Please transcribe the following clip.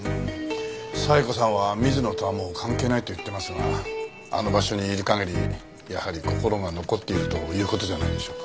冴子さんは水野とはもう関係ないと言ってますがあの場所にいる限りやはり心が残っているという事じゃないでしょうか。